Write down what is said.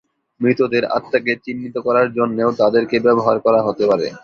মৃতদের আত্মাকে চিহ্নিত করার জন্যেও তাদেরকে ব্যবহার করা হতে পারে।